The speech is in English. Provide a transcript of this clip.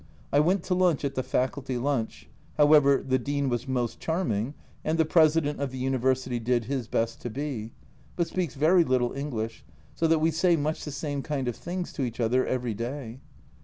I went to lunch at the Faculty lunch ; however, the Dean was most charming, and the President of the University did his best to be, but speaks very little English, so that we say much the same kind of things to each other every day.